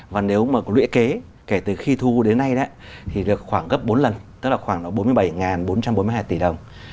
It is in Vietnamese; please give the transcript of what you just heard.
và nếu mà luyện kế kể từ khi thu đến nay thì được khoảng gấp bốn lần tức là khoảng độ bốn mươi bảy bốn trăm bốn mươi hai tỷ đồng